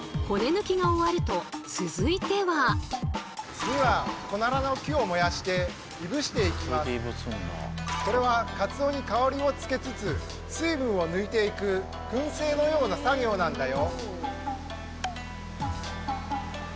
次はこれはカツオに香りをつけつつ水分を抜いていく燻製のような作業なんだよ。